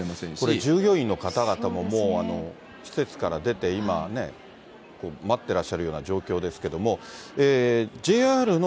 これ、従業員の方々も、もう、施設から出て、今ね、待ってらっしゃるような状況ですけども。